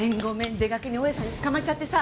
出かけに大家さんに捕まっちゃってさ。